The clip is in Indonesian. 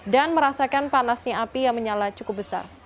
dan merasakan panasnya api yang menyala cukup besar